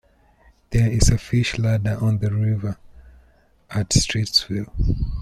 There is a fish ladder on the river at Streetsville.